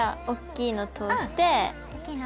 おっきいの通して。